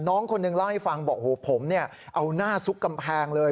น้องคนนึงล่างให้ฟังบอกผมเอาหน้าซุกกำแพงเลย